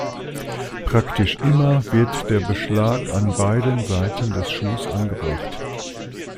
Praktisch immer wird der Beschlag an beiden Seiten des Schuhs angebracht.